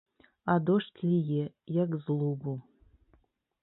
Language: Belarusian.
А дождж ліе, як з лубу.